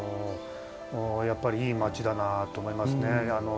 やっぱりいい町だなって思います。